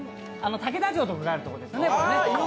竹田城とかがあるところです。